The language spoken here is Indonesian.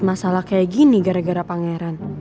masalah kayak gini gara gara pangeran